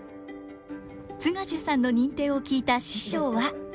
津賀寿さんの認定を聞いた師匠は。